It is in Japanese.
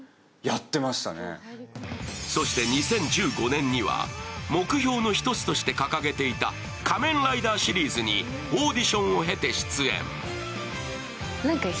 ２０１５年には目標の一つとして掲げていた「仮面ライダー」シリーズにオーディションを経て出演。